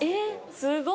すごい。